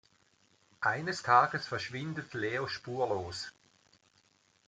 Eines Tages verschwindet Leo spurlos.